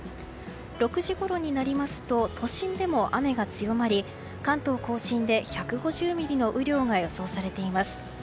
６時ごろになりますと都心でも雨が強まり関東・甲信で１５０ミリの雨量が予想されています。